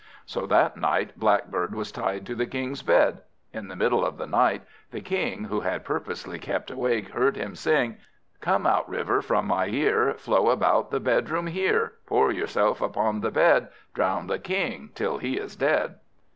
So that night Blackbird was tied to the King's bed. In the middle of the night, the King (who had purposely kept awake) heard him sing "Come out, River, from my ear, Flow about the bedroom here; Pour yourself upon the bed, Drown the King till he is dead."